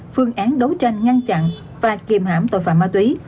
phương án đấu tranh ngăn chặn và kìm hãm tội phạm ma túy